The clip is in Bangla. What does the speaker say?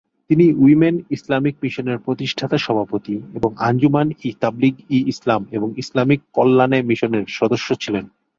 তিনি উইমেন ইসলামিক মিশনের প্রতিষ্ঠাতা সভাপতি এবং আঞ্জুমান-ই-তাবলীগ-ই-ইসলাম এবং ইসলামিক কল্যাণে মিশনের সদস্য ছিলেন।